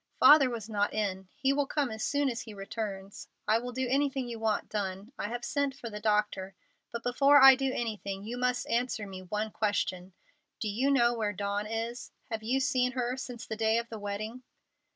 "Father was not in. He will come as soon as he returns. I will do anything you want done. I have sent for the doctor. But before I do anything, you must answer me one question. Do you know where Dawn is? Have you seen her since the day of the wedding?"